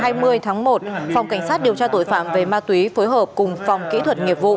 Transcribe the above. vào lúc một mươi sáu h ba mươi tháng một phòng cảnh sát điều tra tội phạm về ma túy phối hợp cùng phòng kỹ thuật nhiệp vụ